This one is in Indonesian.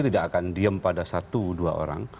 tidak akan diem pada satu dua orang